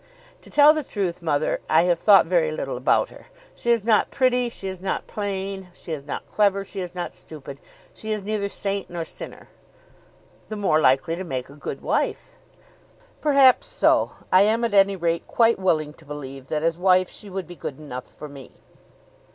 "To tell the truth, mother, I have thought very little about her. She is not pretty, she is not plain; she is not clever, she is not stupid; she is neither saint nor sinner." "The more likely to make a good wife." "Perhaps so. I am at any rate quite willing to believe that as wife she would be 'good enough for me.'"